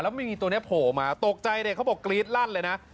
ไม่มีตัวนี้โผล่มาตกใจเด็กเขาบอกกรี๊ดลั่นเลยนะ